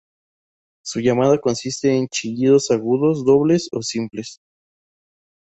Su llamada consiste en chillidos agudos dobles o simples.